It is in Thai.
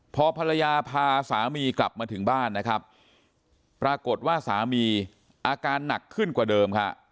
พอภรรยาพาสามีกลับมาถึงบ้านนะครับปรากฏว่าสามีอาการหนักขึ้นกว่าเดิมค่ะ